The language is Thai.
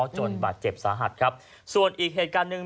จนบาดเจ็บสาหัสครับส่วนอีกเหตุการณ์หนึ่ง